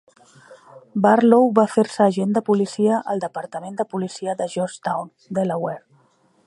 Barlow va fer-se agent de policia al departament de policia de Georgetown, Delaware.